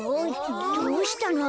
どうしたの？